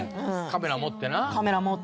カメラ持って。